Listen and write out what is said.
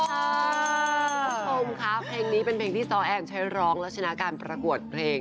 คุณผู้ชมคะเพลงนี้เป็นเพลงที่ซ้อแอนใช้ร้องแล้วชนะการประกวดเพลง